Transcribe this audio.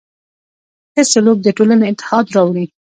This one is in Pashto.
ښه سلوک د ټولنې اتحاد راوړي.